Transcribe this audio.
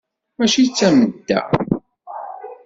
Mačči d tamedda.